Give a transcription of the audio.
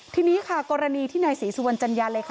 ทีนี้กรณีที่หน่ายสีสุวรรณจัญญาณเลย